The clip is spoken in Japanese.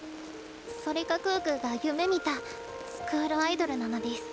それが可可が夢みたスクールアイドルなのデス。